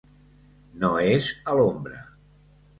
No és a l’ombra.